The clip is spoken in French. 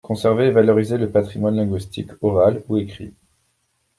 Conserver et valoriser le patrimoine linguistique oral ou écrit.